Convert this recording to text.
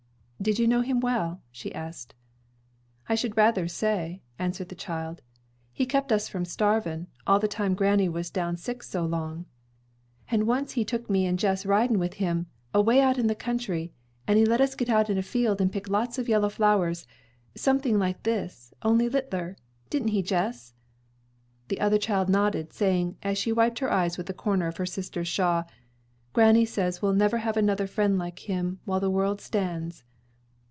"Did you know him well?" she asked. "I should rather say," answered the child. "He kep' us from starvin', all the time granny was down sick so long." "An' once he took me and Jess ridin' with him, away out in the country, and he let us get out in a field and pick lots of yellow flowers, something like this, only littler. Didn't he, Jess?" The other child nodded, saying, as she wiped her eyes with the corner of her sister's shawl, "Granny says we'll never have another friend like him while the world stands."